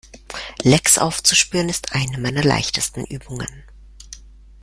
Lecks aufzuspüren, ist eine meiner leichtesten Übungen.